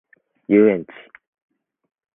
遊園地